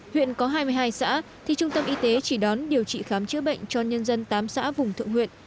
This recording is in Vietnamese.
huyện có hai mươi hai xã thì trung tâm y tế chỉ đón điều trị khám chữa bệnh cho nhân dân tám xã vùng thượng huyện